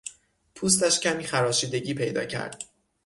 پوستش کمی خراشیدگی پیدا کرد.